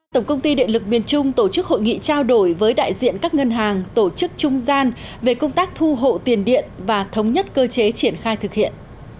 tổng công ty điện lực miền trung tổ chức hội nghị trao đổi với đại diện các ngân hàng tổ chức trung gian về công tác thu hộ tiền điện và thống nhất cơ chế triển khai thực hiện